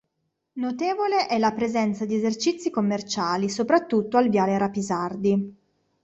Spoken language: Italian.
Notevole è la presenza di esercizi commerciali, soprattutto al Viale Rapisardi.